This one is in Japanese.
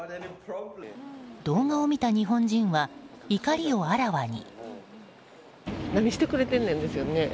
動画を見た日本人は怒りをあらわに。